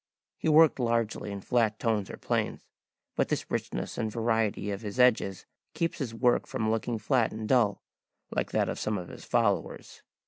He worked largely in flat tones or planes; but this richness and variety of his edges keeps his work from looking flat and dull, like that of some of his followers.